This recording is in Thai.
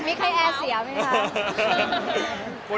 มีใครแอร์เสียไหมคะ